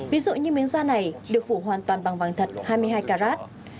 ví dụ như miếng da này được phủ hoàn toàn bằng vàng thật hai mươi hai carat